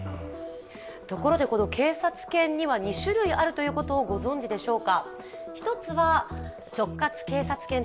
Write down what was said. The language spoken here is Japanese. ところで、警察犬には２種類あるということをご存じでしょうか。